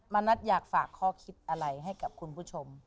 นัทอยากฝากข้อคิดอะไรให้กับคุณผู้ชม